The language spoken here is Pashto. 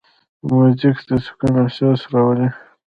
موزیک د سکون احساس راولي.